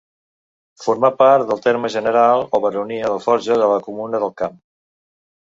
Formà part del terme general o baronia d'Alforja i de la Comuna del Camp.